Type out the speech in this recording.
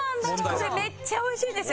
これめっちゃ美味しいですよ。